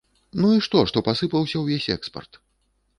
Ну і што, што пасыпаўся ўвесь экспарт?